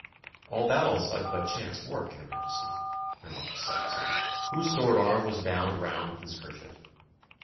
'All battles are but chance work, your Majesty,' remarked Saxon, whose sword arm was bound round with his kerchief.